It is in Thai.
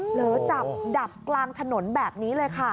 เหรอจับดับกลางถนนแบบนี้เลยค่ะ